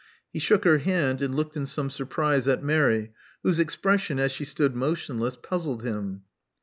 He shook her hand, and looked in some surprise at Mary, whose expression, as she stood motionless, puzzled him.